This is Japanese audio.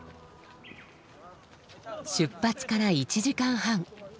出発から１時間半。